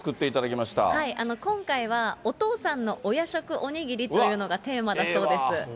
今回は、お父さんのお夜食お握りというのがテーマだそうです。